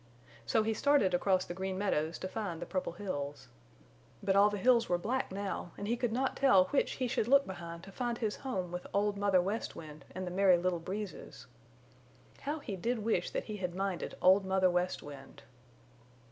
So he started across the Green Meadows to find the Purple Hills. But all the hills were black now and he could not tell which he should look behind to find his home with Old Mother West Wind and the Merry Little Breezes. How he did wish that he had minded Old Mother West Wind.